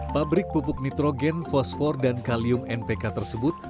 pabrik pupuk nitrogen fosfor dan kalium npk tersebut